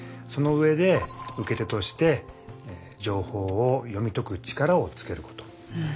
その上で受け手として情報を読み解く力をつけること。